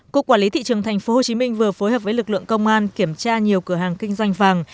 cục quản lý thị trường tp hcm vừa phối hợp với lực lượng công an kiểm tra nhiều cửa hàng kinh doanh vàng